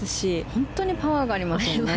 本当にパワーがありますよね。